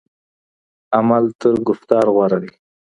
عمل تر گفتار غوره دی.